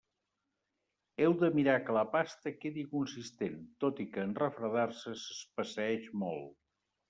Heu de mirar que la pasta quedi consistent, tot i que en refredar-se s'espesseeix molt.